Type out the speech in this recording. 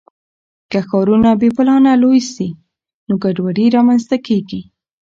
که ښارونه بې پلانه لوی سي نو ګډوډي رامنځته کیږي.